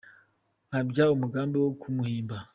Nkabya umugambi wo kumuhimba.